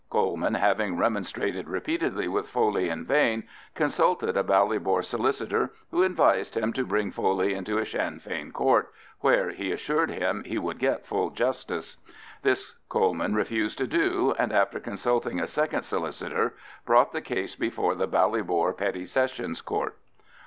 Coleman, having remonstrated repeatedly with Foley in vain, consulted a Ballybor solicitor, who advised him to bring Foley into a Sinn Fein Court, where, he assured him, he would get full justice. This Coleman refused to do, and after consulting a second solicitor, brought the case before the Ballybor Petty Sessions Court.